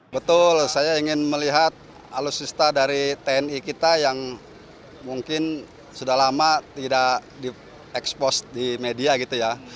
betul saya ingin melihat alutsista dari tni kita yang mungkin sudah lama tidak di expose di media gitu ya